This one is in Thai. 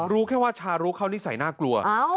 รู้แค่ว่าชารุเขานิสัยน่ากลัว